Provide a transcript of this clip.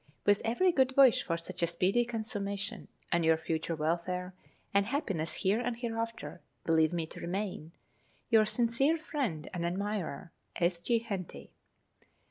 With every good wish for such a speedy consummation, and your future welfare and happiness here and hereafter, believe me to remain, Your sincere friend and admirer, S. G. HENTY.